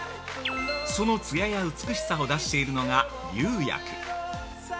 そのツヤや美しさを出しているのが釉薬。